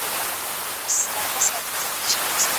ټولنه باید بې اصلاح پاته نه سي.